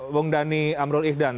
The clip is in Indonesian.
bung dhani amrul ihdan